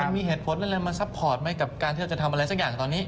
มีเหตุผลอะไรมาซัพพอร์ตกับการที่เราจะทำอะไรตอนนี้